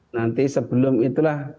nanti sebelum itulah